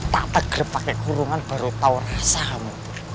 tak teger pakai kurungan baru tau rasamu